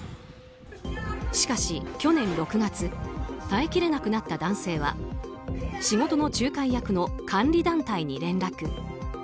しかし、去年６月耐え切れなくなった男性は仕事の仲介役の監理団体に連絡。